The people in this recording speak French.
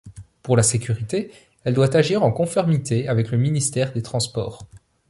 Pour la sécurité elle doit agir en conformité avec le ministère des Transports.